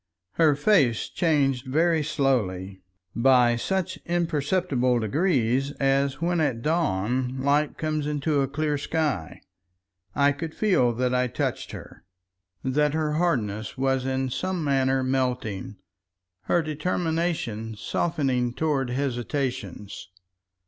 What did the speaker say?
Her face changed very slowly—by such imperceptible degrees as when at dawn light comes into a clear sky. I could feel that I touched her, that her hardness was in some manner melting, her determination softening toward hesitations.